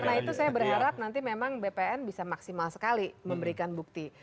karena itu saya berharap nanti memang bpn bisa maksimal sekali memberikan bukti